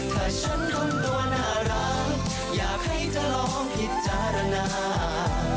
ถ้าฉันทำตัวน่ารักอยากให้เธอลองพิจารณา